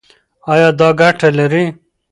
ایا دا ګټه لري؟